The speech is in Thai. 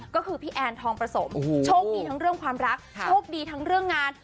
ก็คือพี่แอนทองประสมโชคดีทั้งเรื่องความรักโชคดีทั้งเรื่องงาน